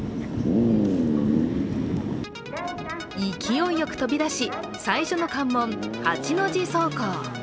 勢いよく飛び出し、最初の関門八の字走行。